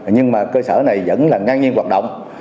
nhưng mà cơ sở này vẫn là ngang nhiên hoạt động